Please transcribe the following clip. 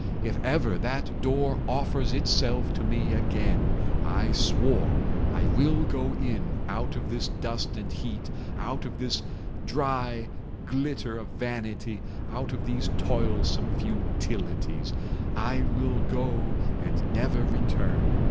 _ If ever that door offers itself to me again, I swore, I will go in out of this dust and heat, out of this dry glitter of vanity, out of these toilsome futilities. I will go and never return.